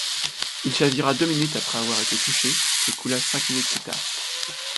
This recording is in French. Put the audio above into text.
Il chavira deux minutes après avoir été touchée et coula cinq minutes plus tard.